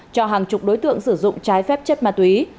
cho hàng chục đối tượng sử dụng trái phép chất ma túy